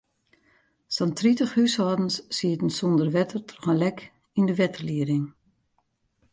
Sa'n tritich húshâldens sieten sonder wetter troch in lek yn de wetterlieding.